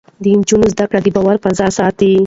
د نجونو زده کړه د باور فضا ساتي.